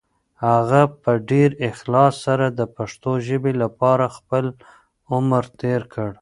هغه په ډېر اخلاص سره د پښتو ژبې لپاره خپل عمر تېر کړ.